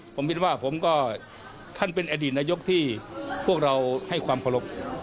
ผมคิดว่าผมก็ท่านเป็นอดีตนายกที่พวกเราให้ความเคารพ